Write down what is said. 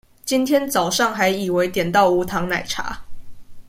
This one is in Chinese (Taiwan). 今天早上還以為點到無糖奶茶